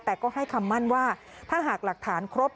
แต่ก็ให้คำมั่นว่าถ้าหากหลักฐานครบ